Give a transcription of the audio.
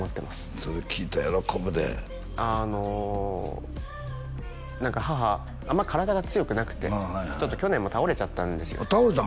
それ聞いたら喜ぶであの何か母あんまり体が強くなくてああはいはい去年も倒れちゃったんですよあっ倒れたん？